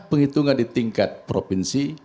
penghitungan di tingkat provinsi